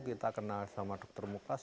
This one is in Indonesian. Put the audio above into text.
kita kenal sama dokter mukas